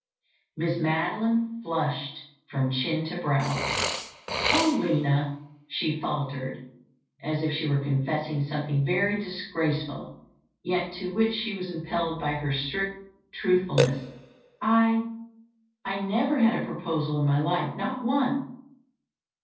Miss Madeline flushed from chin to brow. "Oh, Lina," she faltered as if she were confessing something very disgraceful, yet to which she was impelled by her strict truthfulness, "I—I—never had a proposal in my life—not one."